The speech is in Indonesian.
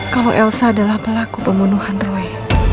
kalau elsa adalah pelaku pembunuhan roy